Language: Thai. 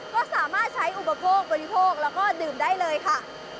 ก็สามารถใช้อุปโภคบริโภคแล้วก็ดื่มได้เลยค่ะ